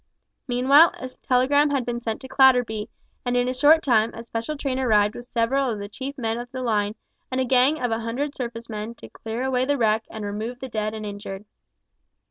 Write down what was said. Meanwhile a telegram had been sent to Clatterby, and, in a short time, a special train arrived with several of the chief men of the line, and a gang of a hundred surface men to clear away the wreck and remove the dead and injured.